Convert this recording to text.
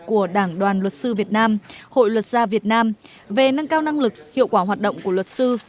của đảng đoàn luật sư việt nam hội luật gia việt nam về nâng cao năng lực hiệu quả hoạt động của luật sư